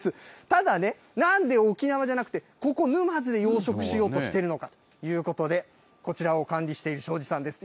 ただね、なんで沖縄じゃなくて、ここ、沼津で養殖しようとしているのかということで、こちらを管理している庄司さんです。